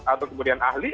atau kemudian ahli